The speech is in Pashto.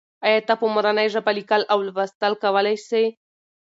آیا ته په مورنۍ ژبه لیکل او لوستل کولای سې؟